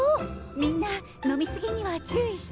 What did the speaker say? みんな飲み過ぎには注意して。